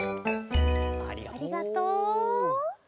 ありがとう。